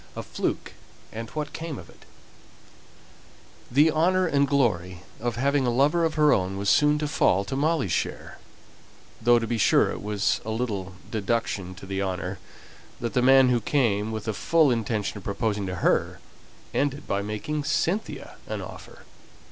A FLUKE, AND WHAT CAME OF IT. [Illustration (untitled)] The honour and glory of having a lover of her own was soon to fall to Molly's share; though, to be sure, it was a little deduction from the honour that the man who came with the full intention of proposing to her, ended by making Cynthia an offer.